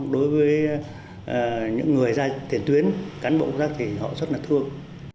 đối với những người ra tiền tuyến cán bộ ra thì họ rất là thương